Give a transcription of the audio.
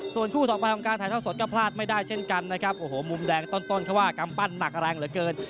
ส่วนคู่ต่อไปของการถ่ายเท่าสดก็พลาดไม่ได้เช่นกันนะครับโอ้โหมุมแดงต้นเขาว่ากำปั้นหนักแรงเหลือเกิน